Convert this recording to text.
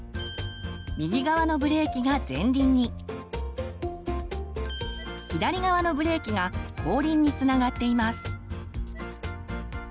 右側のブレーキが前輪に左側のブレーキが後輪につながっています。